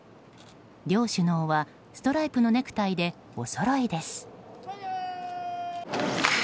両首脳はストライプのネクタイでおそろいです。